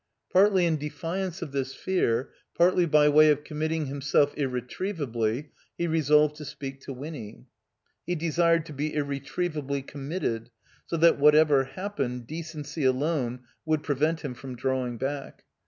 Partly in defiance of this fear, partly by way of committing himself irretrievably, he resolved to speak to Winny. He desired to be irretrievably committed, so that, whatever happened, decency alone would prevent him from drawing back.